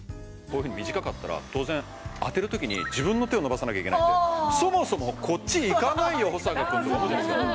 こういうふうに短かったら当然当てる時に自分の手を伸ばさなきゃいけないので「そもそもこっちへいかないよ保阪くん」とか思うじゃないですか。